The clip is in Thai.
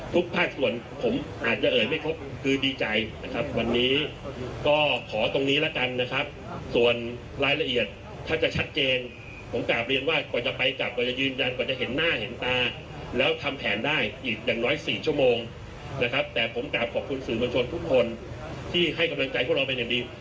ภาคส่วนผมอาจจะเอ่ยไม่ครบคือดีใจนะครับวันนี้ก็ขอตรงนี้แล้วกันนะครับส่วนรายละเอียดถ้าจะชัดเจนผมกลับเรียนว่ากว่าจะไปกลับกว่าจะยืนยันกว่าจะเห็นหน้าเห็นตาแล้วทำแผนได้อีกอย่างน้อย๔ชั่วโมงนะครับแต่ผมกลับขอบคุณสื่อมวลชนทุกคนที่ให้กำลังใจพวกเราเป็นอย่างดี